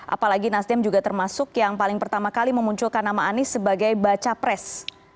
apalagi nasdem juga termasuk yang paling pertama kali memunculkan nama anies sebagai baca pres